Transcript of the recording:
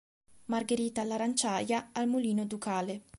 Margherita, all'Aranciaia, al Mulino Ducale.